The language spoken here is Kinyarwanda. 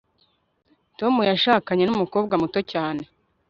Tom yashakanye numukobwa muto cyane